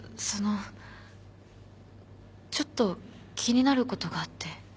そのちょっと気になることがあって。